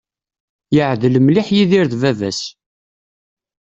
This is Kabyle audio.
Yeεdel mliḥ Yidir d baba-s.